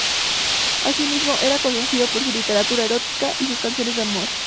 Asimismo, era conocido por su literatura erótica y sus canciones de amor.